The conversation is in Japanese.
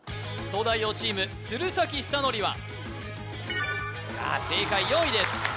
東大王チーム鶴崎修功は正解４位です